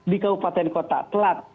di kabupaten kota telat